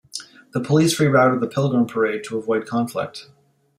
The police rerouted the Pilgrim parade to avoid conflict.